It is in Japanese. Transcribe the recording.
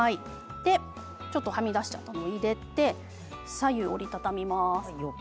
ちょっとはみ出しちゃったのを入れて左右を折り畳みます。